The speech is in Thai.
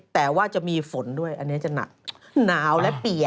แต่ว่าจะมีฝนด้วยอันนี้จะหนักหนาวและเปียก